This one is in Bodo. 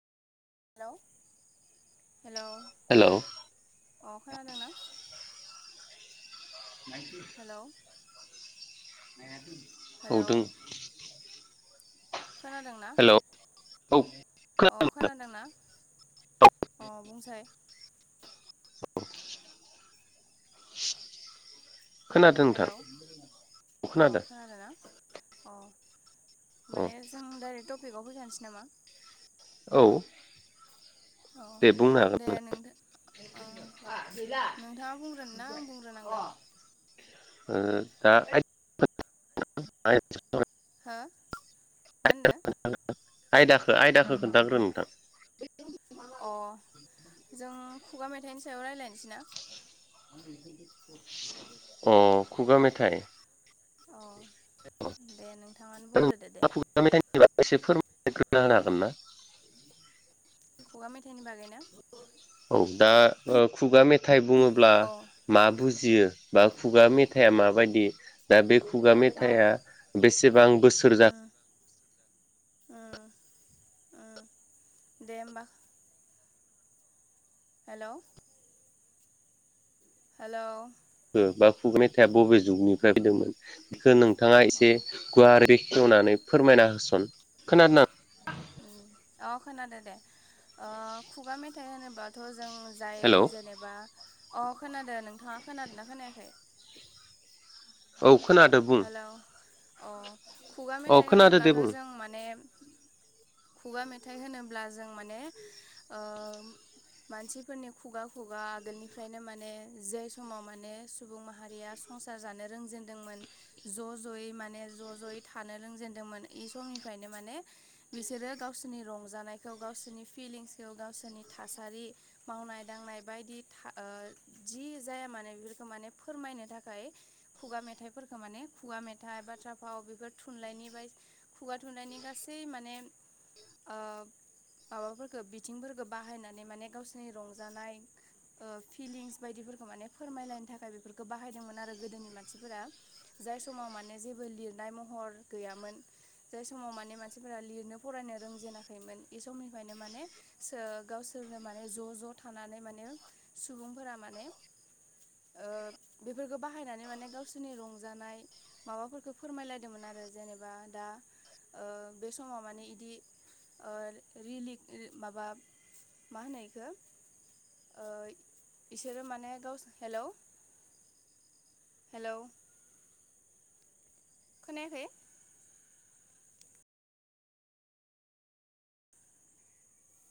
हेलौ। हेलौ हेलौ अ खोनादों ना? हेलौ [unintelligible] खोनादोंना? हेलौ औ अ खोनादोंना? खोनादों अ बुंसाय खोनादों नोंथां हेलौ औ अ खोनादों खोनादोंना? अ। औ माने जों डाइरेक्ट टपिकआव फैखानोसै नामा? औ। औ दे नों [unintelligible] गैला बुंग्रोनो ना आं अ। बुंग्रोनांगो ओ दा [unintelligible] हो मा होनदो? आयदाखो आयदाखो खोन्थाग्रो नोंथां। अ जों खुगा मेथाइनि सायाव रायलायसै ना? अ खुगा मेथाइ अ दे नोंथाङानो बुंग्रोदो दे [unintelligible] [unintelligible] खुगा मेथाइनि बागै ना? औ दा ओ खुगा मेथाइ बुङोब्ला औ मा बुजियो? बा खुगा मेथाया माबायदि दा बे खुगा अ मेथाया बेसेबां बोसोर जा ओ ओ दे होमबा। हेलौ। हेलौ। ओ बा खुगा मेथाया बबे जुगनिफ्राय फैदोंमोन बेखौ नोंथाङा अ एसे गुवारै बेख होननानै फोरमायना होसुन। खोन जोंना? औ खोनादों दे खुगा मेथाइ होनोबाथ' जों जाय हेलौ जेनेबा अ खोनादों नोंथां। खोनादोंना खोनायाखै औ खोनादो बुं हेलौ अ खुगा अ मेथाइ खोनादो दे होनोब्लाथ बुं जों माने खुगा मेथाइ होनोब्ला जों माने ओ मानसिफोरनि खुगा खुगा आगोलनिफ्रायनो माने जे समाव माने सुबुं माहारिया संसार जानो रोंजेनदोंमोन ज जयै माने ज जयै थानो रोंजेनदोंमोन इ समनिफ्रायनो माने बिसोरो गावसिनि रंजानायखौ गावसिनि फिलिंसखौ गावसिनि थासारि मावनाय दांनाय बायदि जि था ओ जि जाया माने बेफोरखौ माने फोरमायनो थाखाय खुगा मेथाइफोर माने खुगा मेथाइ बाथ्रा फाव बेफोर थुनलाइनि बाय खुगा थुनलाइनि गासै माने माबाफोरखो बिथिंफोरखौ बाहायनानै माने गावसोरनि रंजानाय फिलिंस बायदिफोरखौ माने फोरमायलायनो थाखाय बेफोरखौ बाहायदोंमोन आरो गोदोनि मानसिफोरा जाय समाव माने जेबो लिरनाय महर गैयामोन जाय समाव माने मानसिफोरा लिरनो फरायनो रोंजेनााखैमोन बि समनिफ्रायनो माने सो गावसोर। सोरनो माने ज' ज' थानानै माने सुबुंफोरा माने बेफोरखौ बाहायनानै माने गावसोर। दिनै रंजानाय माबाफोरखौ फोरमायलायदोंमोन आरो जेनेबा दा बे समाव माने इदि रिलिक माबा मा होनो इखो। इसोरो माने गाव हेलौ हेलौ खोनायाखै